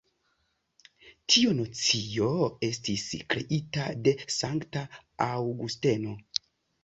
Tiu nocio estis kreita de sankta Aŭgusteno.